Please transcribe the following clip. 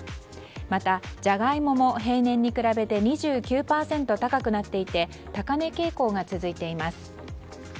また、ジャガイモも平年に比べて２９％高くなっていて高値傾向が続いています。